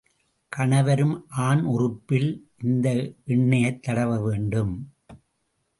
கணவரும் ஆண் உறுப்பில் இந்த எண்ணெய்யைத் தடவ வேண்டும்.